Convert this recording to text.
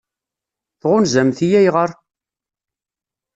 Tɣunzamt-iyi ayɣer?